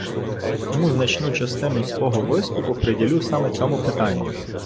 Тому значну частину свого виступу приділю саме цьому питанню.